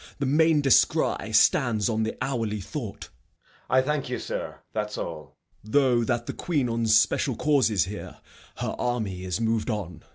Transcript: The main descry Stands on the hourly thought. Edg. I thank you sir. That's all. Gent. Though that the Queen on special cause is here, Her army is mov'd on.